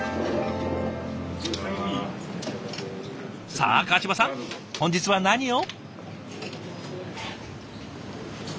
さあ川島さん本日は何を？